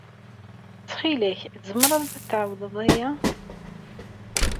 Ttxil-k, tzemreḍ ad d-tɛawdeḍ aya.